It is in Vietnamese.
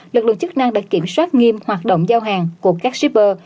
lực lượng chức năng đã kiểm soát nghiêm hoạt động giao hàng của các shipper